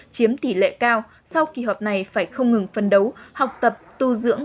chiếm tỷ lệ cao sau kỳ họp này phải không ngừng phân đấu học tập tu dưỡng